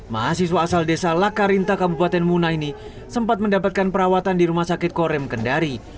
mahasiswa asal desa lakarinta kabupaten muna ini sempat mendapatkan perawatan di rumah sakit korem kendari